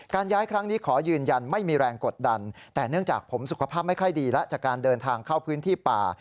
ย้ายครั้งนี้ขอยืนยันไม่มีแรงกดดันแต่เนื่องจากผมสุขภาพไม่ค่อยดีแล้วจากการเดินทางเข้าพื้นที่ป่า